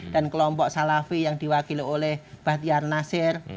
dan kelompok salafi yang diwakili oleh bahtiyar nasir